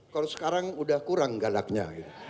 kalau sekarang udah kurang galaknya